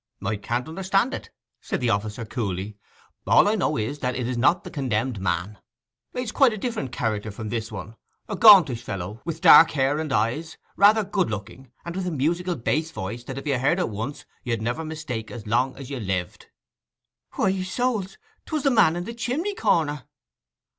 'Can't understand it,' said the officer coolly. 'All I know is that it is not the condemned man. He's quite a different character from this one; a gauntish fellow, with dark hair and eyes, rather good looking, and with a musical bass voice that if you heard it once you'd never mistake as long as you lived.' 'Why, souls—'twas the man in the chimney corner!